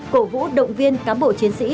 cổ vũ động viên cám bộ chiến sĩ